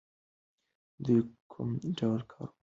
دوی کوم ډول کاروبار لري؟